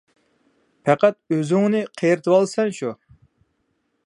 پەقەت ئۆزۈڭنى قېرىتىۋالىسەن شۇ!